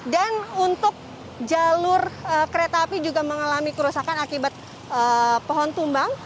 dan untuk jalur kereta api juga mengalami kerusakan akibat pohon tumbang